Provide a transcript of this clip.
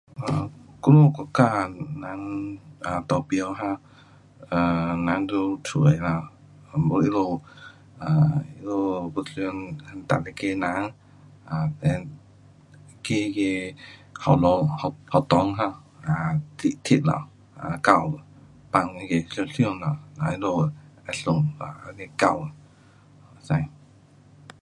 我们国家人投票啊，um 人就出啦，不他们 um 他们要选哪一个人，[um]then 去那个学堂，学，学堂哈，啊去 tick 咯，钩，放那个箱箱了，嘞他们会选一下，这样交。可以